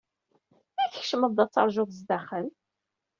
I tkecmeḍ-d, ad teṛjuḍ sdaxel?